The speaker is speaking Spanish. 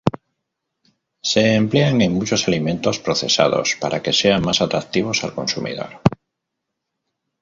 Se emplean en muchos alimentos procesados para que sean más atractivos al consumidor.